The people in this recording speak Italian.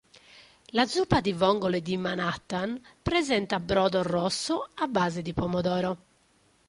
La zuppa di vongole di Manhattan presenta brodo rosso a base di pomodoro.